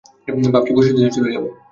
ভাবছি, বসতিতে চলে যাব।